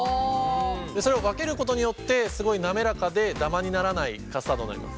それを分けることによってすごい滑らかでダマにならないカスタードになります。